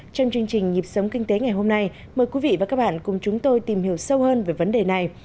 trong chương trình nhịp sống kinh tế ngày hôm nay mời quý vị và các bạn cùng chúng tôi tìm hiểu sâu hơn về vấn đề này